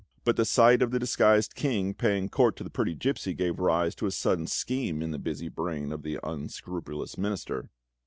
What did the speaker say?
But the sight of the disguised King paying court to the pretty gipsy gave rise to a sudden scheme in the busy brain of the unscrupulous Minister.